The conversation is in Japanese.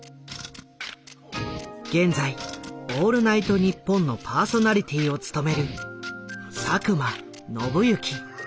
現在「オールナイトニッポン」のパーソナリティーを務める佐久間宣行。